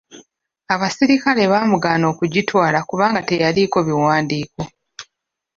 Abaserikale baamugana okugitwala kubanga teyaliiko biwandiiko.